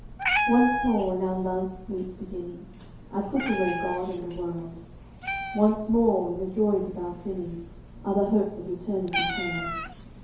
Once more, in our love's sweet beginning, I put away God and the World; Once more, in the joys of our sinning, Are the hopes of eternity hurled.